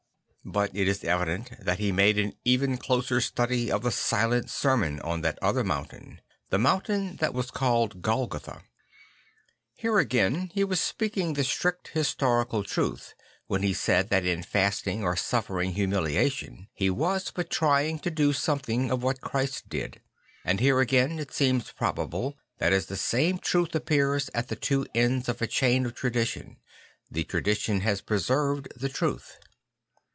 But it is evident that he made an even closer study of the silent sermon on that other mountain; the mountain that was called Golgotha. Here again he was speaking the strict historical truth, when he said that in fasting or suffering humiliation he was but trying to do something of what Ghrist did; and here again it seems probable that as the same truth appears at the two ends of a chain of tradition, the tradition has preserved the truth.